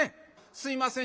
「すいません